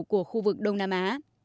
của khu vực đông nam á